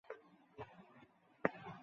আমি সেজন্য দুঃখিত।